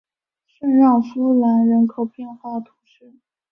圣让夫兰人口变化图示